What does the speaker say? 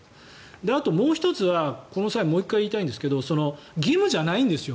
あともう１つは、この際もう一回言いたいんですけど義務じゃないんですよ。